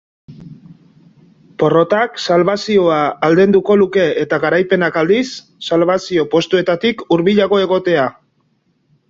Porrotak salbazioa aldenduko luke eta garaipenak, aldiz, salbazio postuetatik hurbilago egotea.